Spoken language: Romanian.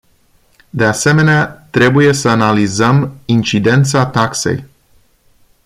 De asemenea, trebuie să analizăm incidența taxei.